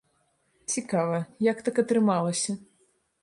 Цікава, як так атрымалася?